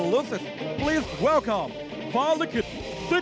คนนี้มาจากอำเภอโนนไทยจังหวัดนครราชสีมานะครับ